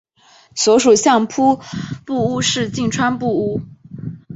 所属相扑部屋是境川部屋。